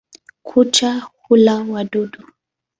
Kucha hula wadudu.